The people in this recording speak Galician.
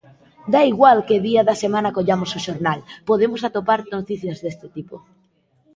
Dá igual que día da semana collamos o xornal, podemos atopar noticias deste tipo.